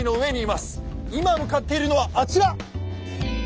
今向かっているのはあちら！